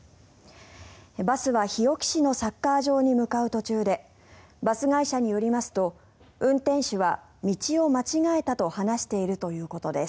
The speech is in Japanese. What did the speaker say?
バスは日置市のサッカー場に向かう途中でバス会社によりますと運転手は道を間違えたと話しているということです。